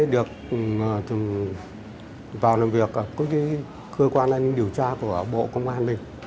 được vào làm việc có cái cơ quan an ninh điều tra của bộ công an này